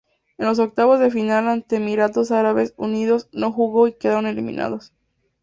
En los octavos de final ante Emiratos Árabes Unidos no jugó y quedaron eliminados.